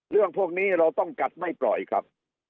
เรื่องพวกนี้เราต้องกัดไม่ปล่อยครับ